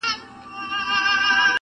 دا متل دی له پخوا د اولنیو٫